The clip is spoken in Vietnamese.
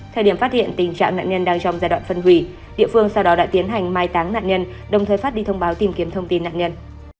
thời điểm phát hiện tình trạng nạn nhân đang trong giai đoạn phân hủy địa phương sau đó đã tiến hành mai táng nạn nhân đồng thời phát đi thông báo tìm kiếm thông tin nạn nhân